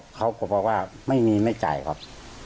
เขาบอกว่าไม่มีไม่จ่ายครับ